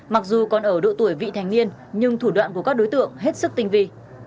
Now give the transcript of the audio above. mặc dù còn ở độ tuổi vị thành niên nhưng thủ đoạn của các đối tượng hết sức tinh vi